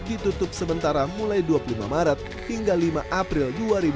ditutup sementara mulai dua puluh lima maret hingga lima april dua ribu dua puluh